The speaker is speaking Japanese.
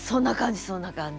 そんな感じ。